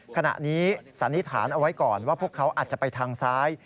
ขณะนี้สันนิษฐานเอาไว้ก่อนว่าพวกเขาอาจจะไปทางซ้าย